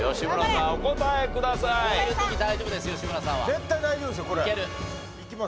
絶対大丈夫ですよこれ。